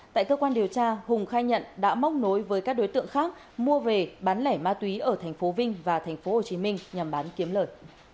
tại cơ quan điều tra hùng khai nhận đã móc nối với các đối tượng khác mua về bán lẻ ma túy ở tp vinh và tp hcm nhằm bán kiếm lời